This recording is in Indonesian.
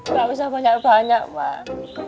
gak usah banyak banyak mak